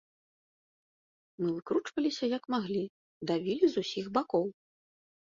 Мы выкручваліся як маглі, давілі з усіх бакоў.